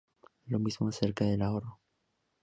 Lo mismo acerca del ahorro.